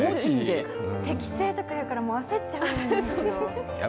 適性とか言うから焦っちゃうんですよ。